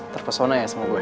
terpesona ya sama gue